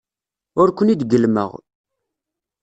Ur ken-id-gellmeɣ.